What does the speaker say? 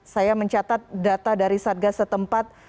saya mencatat data dari satgasetempat